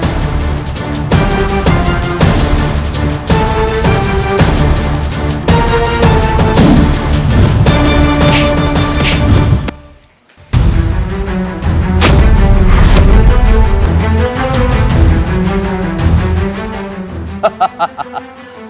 saya ingin segera membantu ibu